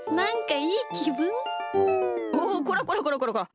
おっこらこらこらこらこら！